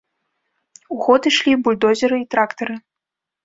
У ход ішлі бульдозеры і трактары.